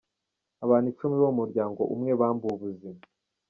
Abantu icumi bo mu muryango umwe bambuwe ubuzima